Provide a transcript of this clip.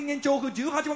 １８番